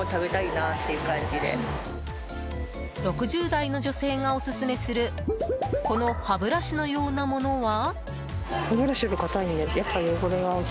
６０代の女性がオススメするこの歯ブラシのようなものは。